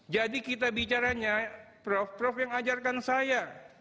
jadi kita bicaranya prof prof yang ajarkan saya